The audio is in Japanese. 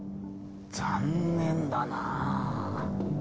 残念だなあ。